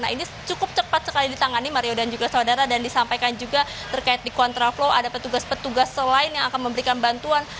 nah ini cukup cepat sekali ditangani mario dan juga saudara dan disampaikan juga terkait di kontraflow ada petugas petugas selain yang akan memberikan bantuan